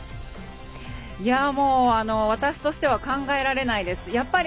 私としては考えられないです。